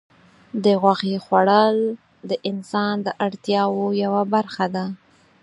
د غوښې خوړل د انسان د اړتیاوو یوه برخه ده.